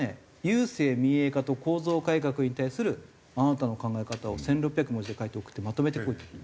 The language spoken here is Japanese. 「郵政民営化と構造改革に対するあなたの考え方を１６００文字で書いてまとめてこい」と。